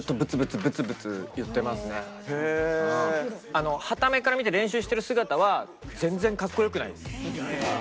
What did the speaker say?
あのはた目から見て練習してる姿は全然かっこよくないです。